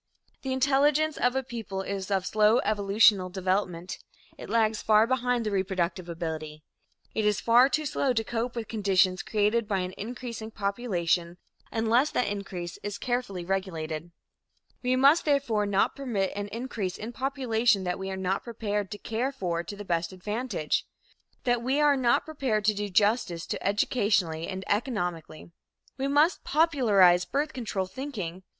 The intelligence of a people is of slow evolutional development it lags far behind the reproductive ability. It is far too slow to cope with conditions created by an increasing population, unless that increase is carefully regulated. We must, therefore, not permit an increase in population that we are not prepared to care for to the best advantage that we are not prepared to do justice to, educationally and economically. We must popularize birth control thinking.